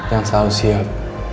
yang selalu siap